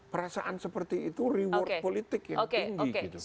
perasaan seperti itu reward politik yang tinggi